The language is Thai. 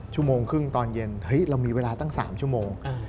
ชั่วโมงครึ่งตอนเย็นเรามีเวลาตั้ง๓ชั่วโมง